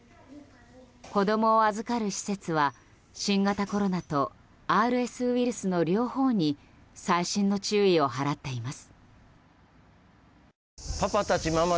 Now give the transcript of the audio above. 子供を預かる施設は新型コロナとＲＳウイルスの両方に細心の注意を払っています。